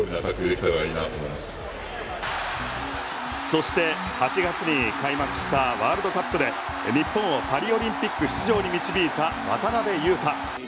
そして８月２に開幕したワールドカップで日本をパリオリンピック出場に導いた渡邊雄太。